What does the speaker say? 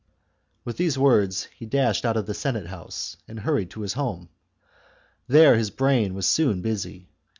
With these words he dashed out of the Senate house and hurried to his home. There his brain was soon busy.